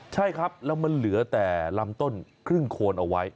ใช่ครับแล้วมันเหลือแต่ลำต้นครึ่งโคนเอาไว้